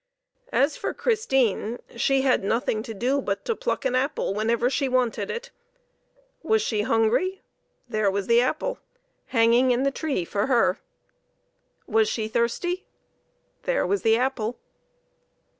As for Christine, she had nothing to do but to pluck an apple whenever she wanted it. Was she hungry? there was the apple hanging in the tree for her. Was she thirsty ? there was the apple.